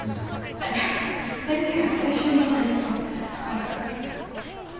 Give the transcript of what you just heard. あっいや先生が青春とか言うと何か。